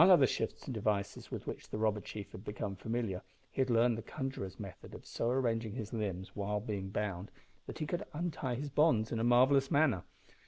Among other shifts and devices with which the robber chief had become familiar, he had learned the conjuror's method of so arranging his limbs while being bound, that he could untie his bonds in a marvellous manner.